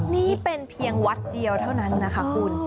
นี่เป็นเพียงวัดเดียวเท่านั้นนะคะคุณ